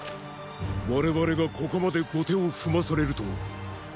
我々がここまで後手を踏まされるとは。